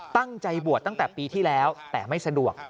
ตั้งใจบวชตั้งแต่ปีที่แล้วแต่ไม่สะดวก